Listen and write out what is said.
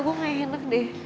gue gak enak deh